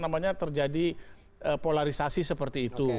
namanya terjadi polarisasi seperti itu